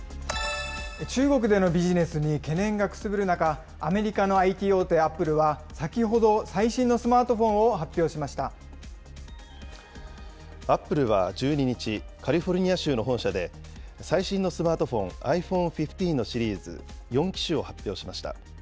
中国でのビジネスに懸念がくすぶる中、アメリカのＩＴ大手、アップルは先ほど、最新のスマートフアップルは１２日、カリフォルニア州の本社で最新のスマートフォン、ｉＰｈｏｎｅ１５のシリーズ、４機種を発表しました。